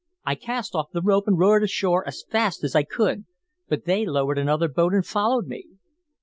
I cast off the rope and rowed ashore as fast as I could, but they lowered another boat and followed me."